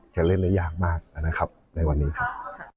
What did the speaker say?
จะเล่นได้ยากมากนะครับในวันนี้ครับ